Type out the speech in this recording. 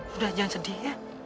sudah jangan sedih ya